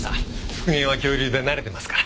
復元は恐竜で慣れてますから。